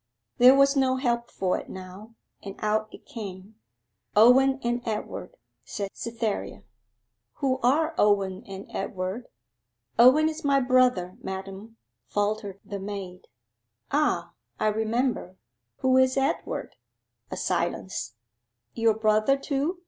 There was no help for it now, and out it came. 'Owen and Edward,' said Cytherea. 'Who are Owen and Edward?' 'Owen is my brother, madam,' faltered the maid. 'Ah, I remember. Who is Edward?' A silence. 'Your brother, too?